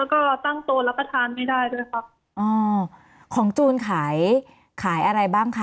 แล้วก็ตั้งโตนรับประทานไม่ได้ด้วยครับอ๋อของจูนขายขายอะไรบ้างคะ